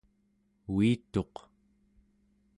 uituq